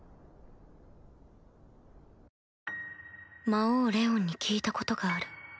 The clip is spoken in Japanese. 魔王レオンに聞いたことがある